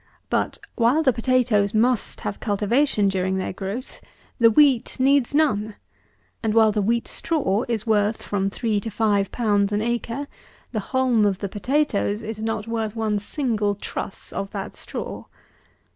But, while the potatoes must have cultivation during their growth, the wheat needs none; and while the wheat straw is worth from three to five pounds an acre, the haulm of the potatoes is not worth one single truss of that straw.